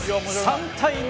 ３対２。